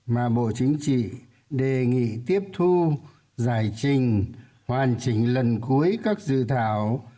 mà bộ chính trị đề nghị tiếp thu giải trình hoàn chỉnh lần cuối các dự thảo